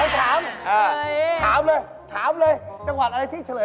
อยากมาลูกชีวิตเงียบเลย